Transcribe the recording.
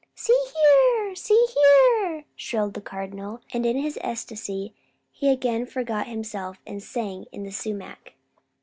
"See here! See here!" shrilled the Cardinal; and in his ecstasy he again forgot himself and sang in the sumac.